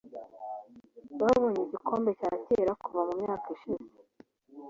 Babonye igikombe cya kera kuva mu myaka ishize.